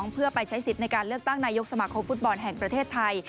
เพื่อไปใช้สิทธิ์ในการเลือกตั้งนายกสมาคมฟุตบอลแห่งประเทศไทย